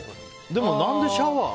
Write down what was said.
でも、何でシャワー？